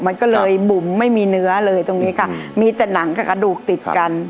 มันก็เลยบุ่มไม่มีเนื้อเลยตรงนี้ค่ะมีแต่หนังกับกระดูกติดกัน